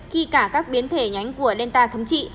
khi cả các biến thể nhánh của delta thấm trị